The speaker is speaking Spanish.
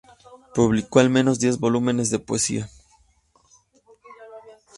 Publicó al menos diez volúmenes de poesía.